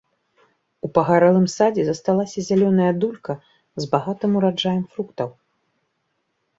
У пагарэлым садзе засталася зялёная дулька з багатым ураджаем фруктаў.